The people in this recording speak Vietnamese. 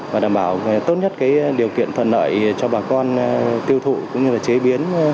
và đảm bảo tốt nhất điều kiện thuận lợi cho bà con tiêu thụ cũng như là chế biến